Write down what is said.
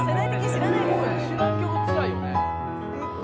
知らん曲つらいよね